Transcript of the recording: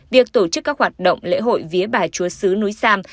việc tổ chức các hoạt động lễ hội vía bà chúa sứ núi sam